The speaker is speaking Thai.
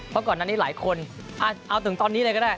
เพราะก่อนนั้นนี้หลายคนเอาถึงตอนนี้เลยก็ได้